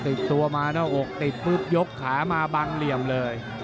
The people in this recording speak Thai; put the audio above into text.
ติดตัวมาหน้าอกติดปุ๊บยกขามาบังเหลี่ยมเลย